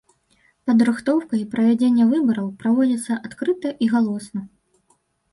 Падрыхтоўка і правядзенне выбараў праводзяцца адкрыта і галосна.